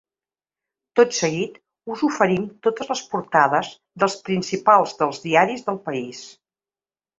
Tot seguit us oferim totes les portades dels principals dels diaris del país.